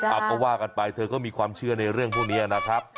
เอาก็ว่ากันไปเธอก็มีความเชื่อในเรื่องพวกนี้นะครับ